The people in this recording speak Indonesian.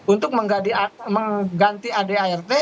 untuk mengganti ad art